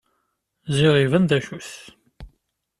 Ziɣ iban d acu-t.